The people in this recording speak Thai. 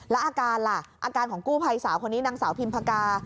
แล้วอาการล่ะอาการของกู้ภัยสาวคนนี้นางสาวพิมพกา